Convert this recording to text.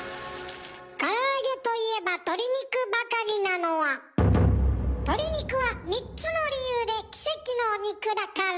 から揚げといえば鶏肉ばかりなのは鶏肉は３つの理由で奇跡の肉だから。